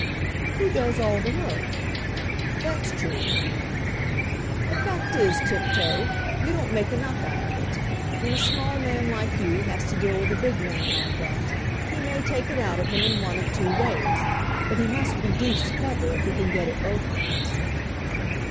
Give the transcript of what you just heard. "Who does all the work?" "That's true." "The fact is, Tifto, you don't make enough out of it. When a small man like you has to deal with a big man like that, he may take it out of him in one of two ways. But he must be deuced clever if he can get it both ways."